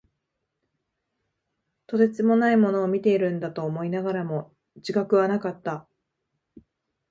とてつもないものを見ているんだと思いながらも、自覚はなかった。